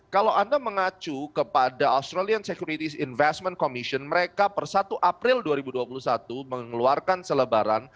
kalau anda mengacu kepada australian security investment commission mereka per satu april dua ribu dua puluh satu mengeluarkan selebaran